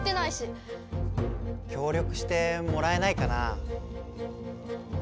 きょう力してもらえないかな？